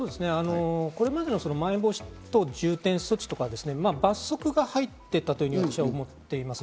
これまでのまん延防止等重点措置は罰則が入っていたと思います。